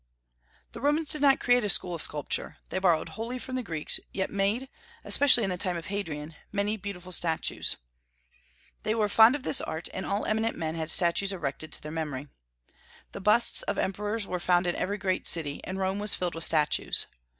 The Romans did not create a school of sculpture. They borrowed wholly from the Greeks, yet made, especially in the time of Hadrian, many beautiful statues. They were fond of this art, and all eminent men had statues erected to their memory. The busts of emperors were found in every great city, and Rome was filled with statues.